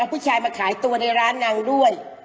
ผู้ชายมาขายตัวในร้านนางด้วย